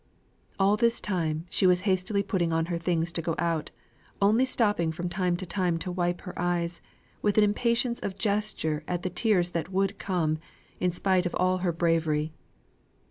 All this time she was hastily putting on her things to go out, only stopping from time to time to wipe her eyes, with an impatience of gesture at the tears that would come again, in spite of all her bravery.